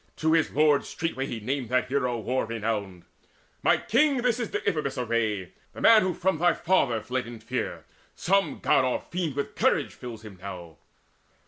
To his lord Straightway he named that hero war renowned: "My king, this is Deiphobus' array The man who from thy father fled in fear. Some God or fiend with courage fills him now."